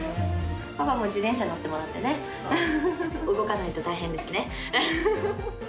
パパも自転車乗ってもらってね、動かないと大変ですね。